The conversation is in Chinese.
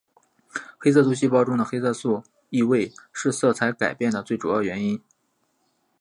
黑色素细胞中的黑色素易位是色彩改变的最主要原因。